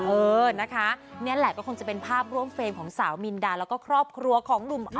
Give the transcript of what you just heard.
เออนะคะนี่แหละก็คงจะเป็นภาพร่วมเฟรมของสาวมินดาแล้วก็ครอบครัวของหนุ่ม